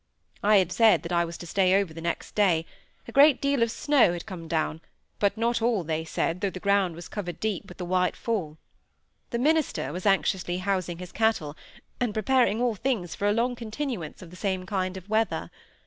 I have said that I was to stay over the next day; a great deal of snow had come down, but not all, they said, though the ground was covered deep with the white fall. The minister was anxiously housing his cattle, and preparing all things for a long continuance of the same kind of weather.